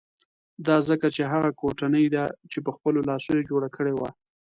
دا ځکه چې هغه کوټنۍ ده چې په خپلو لاسو یې جوړه کړې وه.